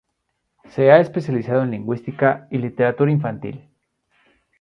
Se ha especializado en lingüística y literatura infantil.